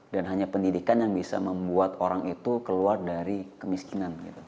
dan hanya pendidikan yang bisa membuat orang itu keluar dari kemiskinan